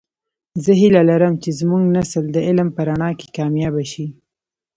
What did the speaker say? زه هیله لرم چې زمونږنسل د علم په رڼا کې کامیابه شي